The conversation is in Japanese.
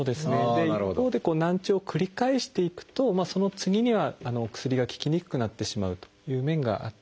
で一方でこう難聴を繰り返していくとその次には薬が効きにくくなってしまうという面がありますね。